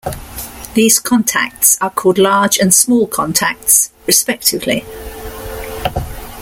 These contacts are called large and small contacts, respectively.